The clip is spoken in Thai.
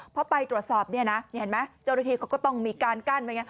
พอไปตรวจสอบเนี่ยนะเห็นไหมเจ้าหน้าที่เขาก็ต้องมีการกั้นไว้ไง